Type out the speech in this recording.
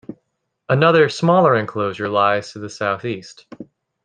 Another, smaller, enclosure lies to the south-east.